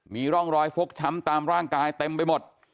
มีร่องรอยฟกช้ำตามร่างกายเต็มไปหมด